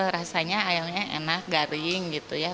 rasanya ayamnya enak garing gitu ya